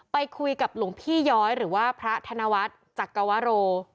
ไปคุยกับหลวงพี่ย้อยหรือว่าพระธนวัฒน์จักรวโร